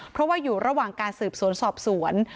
เพราะว่าอยู่ระหว่างการสืบสวนสอบสวน